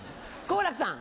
好楽さん。